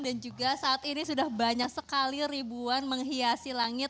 dan juga saat ini sudah banyak sekali ribuan menghiasi langit